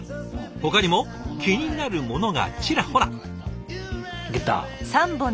ほかにも気になるものがちらほら。